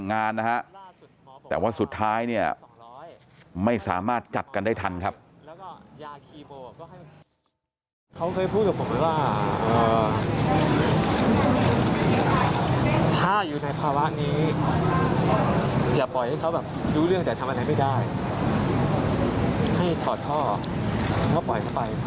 เขาเคยพูดกับผมว่าถ้าอยู่ในภาวะนี้อย่าปล่อยให้เขาแบบรู้เรื่องแต่ทำอะไรไม่ได้ให้ถอดท่อแล้วก็ปล่อยเข้าไป